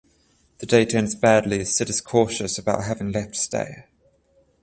The date ends badly as Sid is cautious about having left Ste.